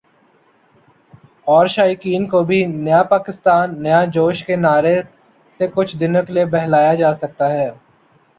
اور شائقین کو بھی "نیا کپتان ، نیا جوش" کے نعرے سے کچھ دنوں کے لیے بہلایا جاسکتا ہے